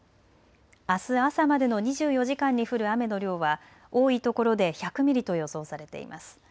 あす朝までの２４時間に降る雨の量は多いところで１００ミリと予想されています。